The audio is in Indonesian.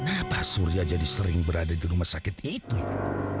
kenapa surya jadi sering berada di rumah sakit itu